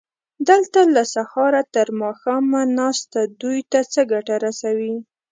دلته له سهاره تر ماښامه ناسته دوی ته څه ګټه رسوي؟